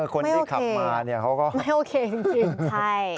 คนที่ขับมาเขาก็ไม่โอเคไม่โอเคจริง